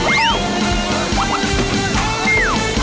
ปุ๊บปุ๊บ